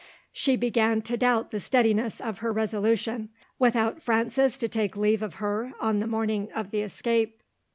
She began to doubt the steadiness of her resolution without Frances to take leave of her, on the morning of the escape.